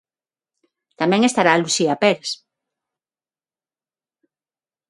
Tamén estará Lucía Pérez...